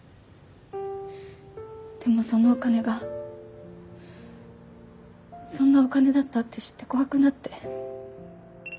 でもそのお金がそんなお金だったって知って怖くなって。